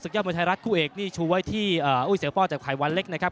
ยอดมวยไทยรัฐคู่เอกนี่ชูไว้ที่อุ้ยเสือป้อจากไข่วันเล็กนะครับ